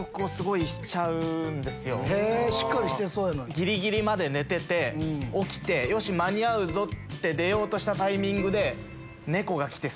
ギリギリまで寝てて起きてよし間に合うぞ！って出ようとしたタイミングで。